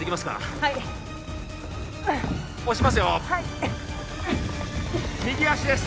はい右足です